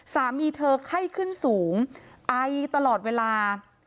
สามีเธอไข้ขึ้นสูงไอตลอดเวลา